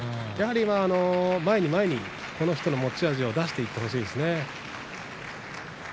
やはり前に前にこの人の持ち味を出していきたかったですね。